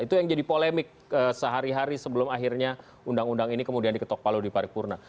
itu yang jadi polemik sehari hari sebelum akhirnya undang undang ini kemudian diketok palu di paripurna